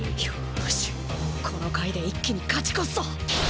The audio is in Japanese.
よしこの回で一気に勝ち越すぞ！